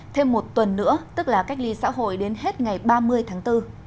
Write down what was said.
thêm một tuần nữa tức là cách ly xã hội đến hết ngày ba mươi tháng bốn